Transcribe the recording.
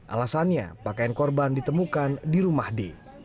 alasannya pakaian korban ditemukan di rumah d